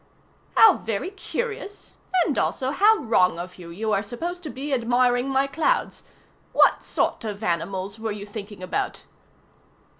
"How very curious, and also how wrong of you. You were supposed to be admiring my clouds. What sort of animals were you thinking about?"